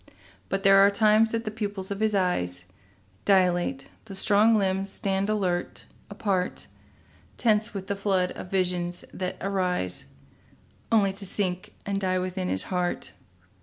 But there are times the pupils of his eyes Dilate, the strong limbs stand alert, apart, Tense with the flood of visions that arise Only to sink and die within his heart.